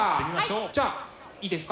じゃあいいですか？